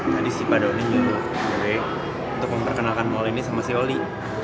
tadi si pak doni nyuruh gue untuk memperkenalkan mal ini sama si oli